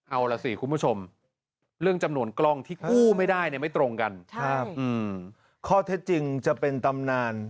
เอาล่ะสิคุณผู้ชมเรื่องจำนวนกล้องที่กู้ไม่ได้ไม่ตรงกัน